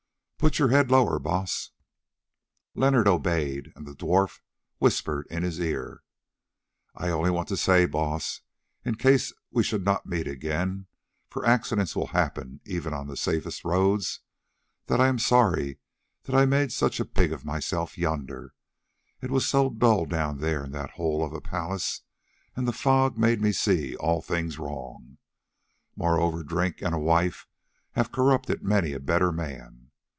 Put your head lower, Baas." Leonard obeyed, and the dwarf whispered in his ear: "I only want to say, Baas, in case we should not meet again, for accidents will happen even on the safest roads, that I am sorry that I made such a pig of myself yonder; it was so dull down there in that hole of a palace, and the fog made me see all things wrong. Moreover, drink and a wife have corrupted many a better man.